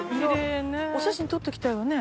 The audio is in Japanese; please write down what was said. お写真撮っておきたいわね。